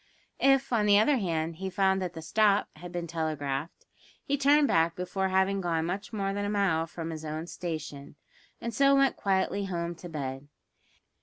If, on the other hand, he found that the "stop" had been telegraphed, he turned back before having gone much more than a mile from his own station, and so went quietly home to bed.